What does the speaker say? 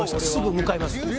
すぐ向かいます